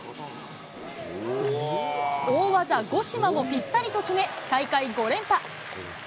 大技、ゴシマもぴったりと決め、大会５連覇。